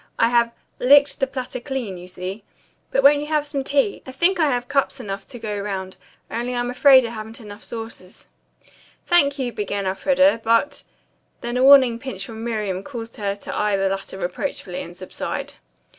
I have 'licked the platter clean,' you see. But won't you have some tea? I think I have cups enough to go round, only I'm afraid I haven't enough saucers." "Thank you," began Elfreda, "but " then a warning pinch from Miriam caused her to eye the latter reproachfully and subside.